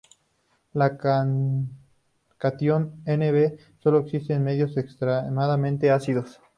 El catión Nb solo existe en medios extremadamente ácidos.